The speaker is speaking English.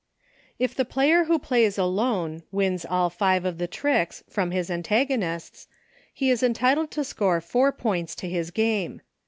If the player who Plays Alone, wins all five of the tricks from his antagonists, he is entitled to score four points to his game.